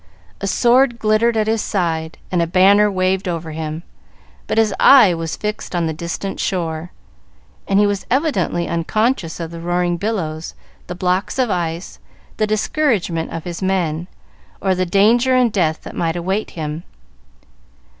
A sword glittered at his side, and a banner waved over him, but his eye was fixed on the distant shore, and he was evidently unconscious of the roaring billows, the blocks of ice, the discouragement of his men, or the danger and death that might await him.